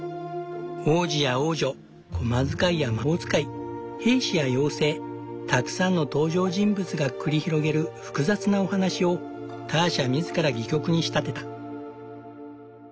王子や王女小間使いや魔法使い兵士や妖精たくさんの登場人物が繰り広げる複雑なお話をターシャ自ら戯曲に仕立てた。